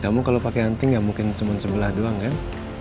kamu kalau pakai anting ya mungkin cuma sebelah doang kan